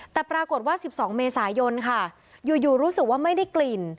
แต่ปรากฏว่า๑๒เมษายนค่ะอยู่รู้สึกว่าไม่ได้กลิ่น